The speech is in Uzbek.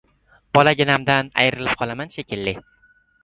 — Bolaginamdan ayrilib qolaman shekilli.